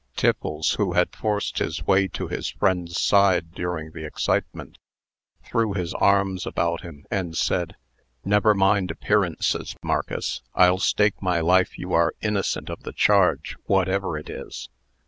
Tiffles, who had forced his way to his friend's side during the excitement, threw his arms about him, and said: "Never mind appearances, Marcus. I'll stake my life you are innocent of the charge, whatever it is."